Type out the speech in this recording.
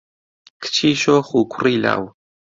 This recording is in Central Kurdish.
کچی شۆخ و کوڕی لاو